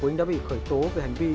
quỳnh đã bị khởi tố về hành vi